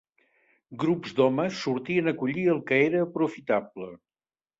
Grups d'homes sortien a collir el que era aprofitable